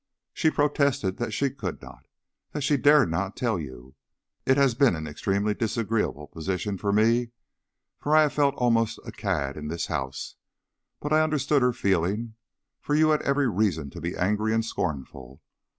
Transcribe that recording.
She protested that she could not, that she dared not tell you. It has been an extremely disagreeable position to me, for I have felt almost a cad in this house, but I understood her feeling, for you had every reason to be angry and scornful.